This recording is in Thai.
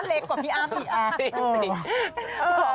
ก็เล็กกว่าพี่อ้ามอีกแอป